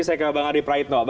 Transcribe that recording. saya ke bang adi praitno